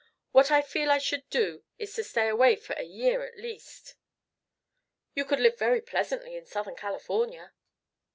What I feel I should do is to stay away for a year, at least " "You could live very pleasantly in Southern California."